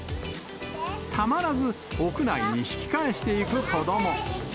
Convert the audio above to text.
たまらず、屋内に引き返していく子ども。